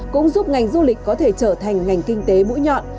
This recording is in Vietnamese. cũng giúp ngành du lịch có thể trở thành ngành kinh tế mũi nhọn